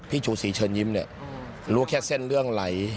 ชูศรีเชิญยิ้มเนี่ยรู้แค่เส้นเรื่องไหล